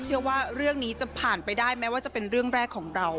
เชื่อว่าเรื่องนี้จะผ่านไปได้แม้ว่าจะเป็นเรื่องแรกของเรา